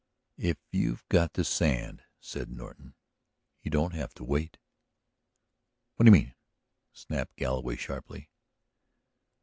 "If you've got the sand," said Norton, "you don't have to wait!" "What do you mean?" snapped Galloway sharply.